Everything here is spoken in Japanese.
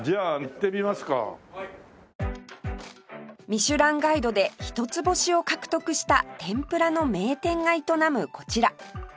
『ミシュランガイド』で一つ星を獲得した天ぷらの名店が営むこちら